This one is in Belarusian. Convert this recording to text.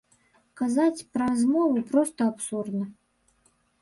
Казаць пра змову проста абсурдна.